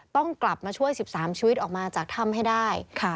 ต้องกลับมาช่วย๑๓ชีวิตออกมาจากถ้ำให้ได้